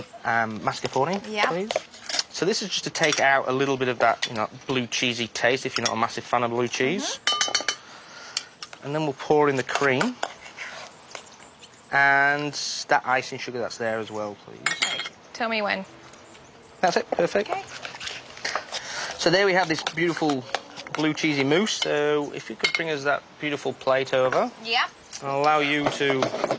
はい。